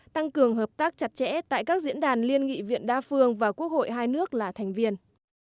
tăng cường hợp tác chặt chẽ tại các diễn đàn liên nghị viện đa phương và quốc hội hai nước là thành viên